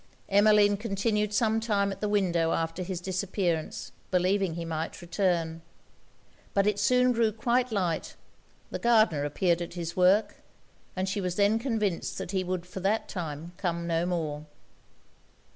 Emmeline continued some time at the window after his disappearance, believing he might return. But it soon grew quite light: the gardener appeared at his work; and she was then convinced that he would for that time come no more.